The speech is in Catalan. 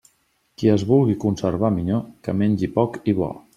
Qui es vulgui conservar minyó, que mengi poc i bo.